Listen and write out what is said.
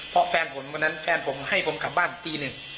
เพราะเพื่อนพันวันนั้นแฟนผมให้ผมกลับบ้านตีนึง